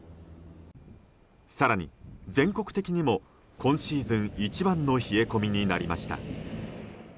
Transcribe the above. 更に全国的にも今シーズン一番の冷え込みになりました。